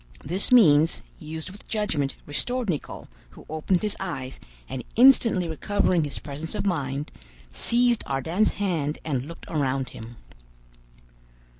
This means, used with judgment, restored Nicholl, who opened his eyes, and instantly recovering his presence of mind, seized Ardan's hand and looked around him.